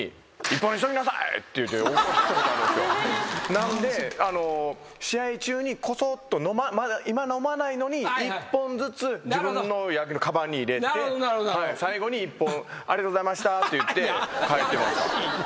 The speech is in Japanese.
なんで試合中にこそっと今飲まないのに１本ずつ自分のかばんに入れて最後に１本「ありがとうございました」って言って帰ってました。